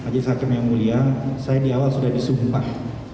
yang mulia saya di awal sudah disumpah